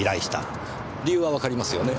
理由はわかりますよね？